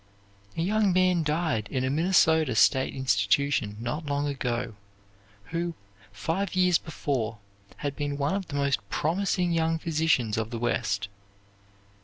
A young man died in a Minnesota state institution not long ago, who, five years before, had been one of the most promising young physicians of the West.